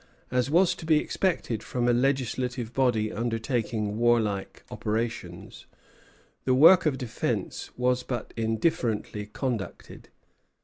As was to be expected from a legislative body undertaking warlike operations, the work of defence was but indifferently conducted.